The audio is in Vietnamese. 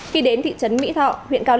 khi đến thị trấn mỹ thọ huyện cao lãnh